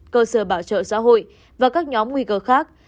cơ sở bảo trợ xã hội và các nhóm nguy cơ khác